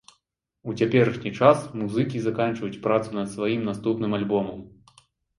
У цяперашні час музыкі заканчваюць працу над сваім наступным альбомам.